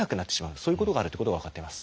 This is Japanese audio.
そういうことがあるっていうことが分かっています。